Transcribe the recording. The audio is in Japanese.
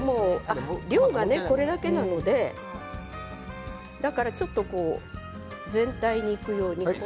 量はこれだけなのでだからちょっと全体にいくように。